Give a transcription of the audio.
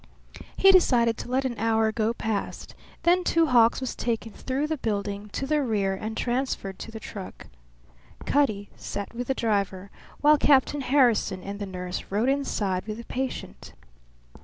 He decided to let an hour go past; then Two Hawks was taken through the building to the rear and transferred to the truck. Cutty sat with the driver while Captain Harrison and the nurse rode inside with the patient.